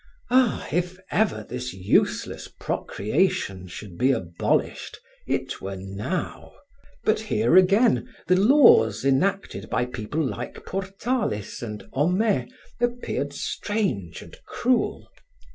Ah! if ever this useless procreation should be abolished, it were now. But here, again, the laws enacted by men like Portalis and Homais appeared strange and cruel.